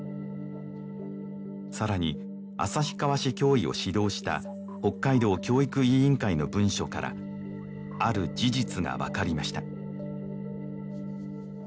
さらに旭川市教委を指導した北海道教育委員会の文書からある事実が分かりました